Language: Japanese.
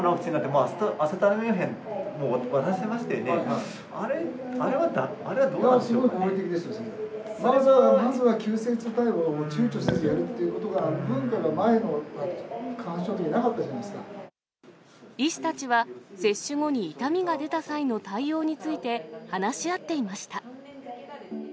まずは急性期対応をちゅうちょせずやるということが、前の勧奨の医師たちは接種後に痛みが出た際の対応について、話し合っていました。